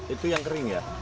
itu yang kering ya